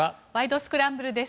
スクランブル」です。